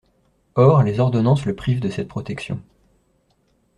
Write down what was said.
Or les ordonnances le privent de cette protection.